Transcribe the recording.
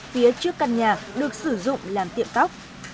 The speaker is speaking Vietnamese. phía trước căn nhà được sử dụng làm tiệm tóc